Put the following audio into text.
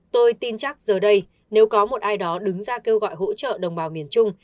tôi tin chắc giờ đây nếu có một ai đó đứng ra kêu gọi hỗ trợ đồng bào miền trung